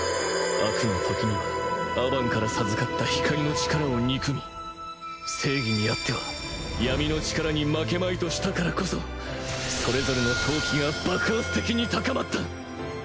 悪のときにはアバンから授かった光の力を憎み正義にあっては闇の力に負けまいとしたからこそそれぞれの闘気が爆発的に高まった！